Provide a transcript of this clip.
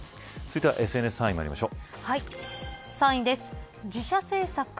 続いてはＳＮＳの３位、まいりましょう。